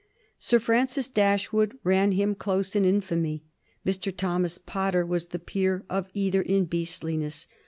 Sir Francis Dashwood ran him close in infamy. Mr. Thomas Potter was the peer of either in beastliness.